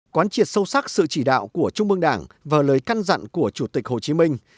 quán triệt sâu sắc sự chỉ đạo của trung mương đảng và lời căn dặn của chủ tịch hồ chí minh